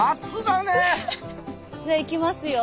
じゃあいきますよ。